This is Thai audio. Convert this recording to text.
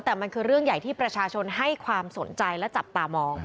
แต่มันคือเรื่องใหญ่ที่ประชาชนให้ความสนใจและจับตามอง